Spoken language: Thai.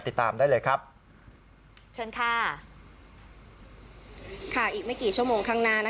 อาติดตามได้เลยครับเชิญค่ะค่ะอีกไม่กี่ชั่วโมง